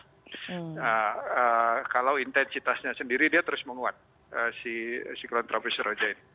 nah kalau intensitasnya sendiri dia terus menguat siklon tropis roja ini